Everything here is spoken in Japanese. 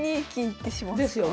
ですよね。